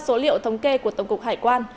số liệu thống kê của tổng cục hải quan